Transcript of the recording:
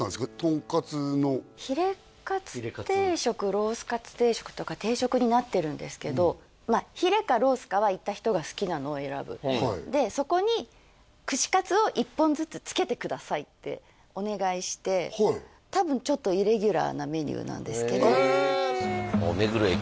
とんかつのヒレかつ定食ロースかつ定食とか定食になってるんですけどヒレかロースかは行った人が好きなのを選ぶでそこにくださいってお願いして多分ちょっとイレギュラーなメニューなんですけどあっ目黒駅